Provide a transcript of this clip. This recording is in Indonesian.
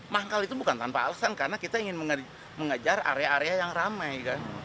manggal itu bukan tanpa alasan karena kita ingin mengejar area area yang ramai kan